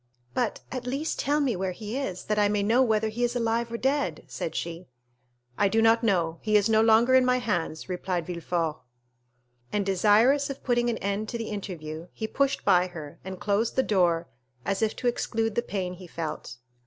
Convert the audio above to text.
"But, at least, tell me where he is, that I may know whether he is alive or dead," said she. 0125m "I do not know; he is no longer in my hands," replied Villefort. And desirous of putting an end to the interview, he pushed by her, and closed the door, as if to exclude the pain he felt.